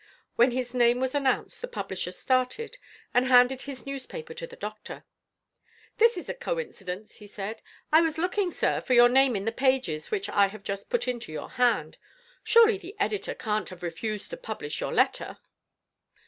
When his name was announced, the publisher started, and handed his newspaper to the doctor. "This is a coincidence," he said. "I was looking, sir, for your name in the pages which I have just put into your hand. Surely the editor can't have refused to publish your letter?"